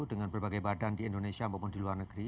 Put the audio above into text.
dengan berbagai badan di indonesia maupun di luar negeri